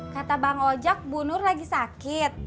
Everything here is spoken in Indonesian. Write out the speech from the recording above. kata bang ojek bu nur lagi sakit